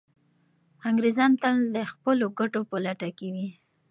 انګریزان تل د خپلو ګټو په لټه کي وي.